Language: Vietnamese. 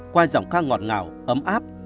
qua giọng ca ngọt ngào ấm áp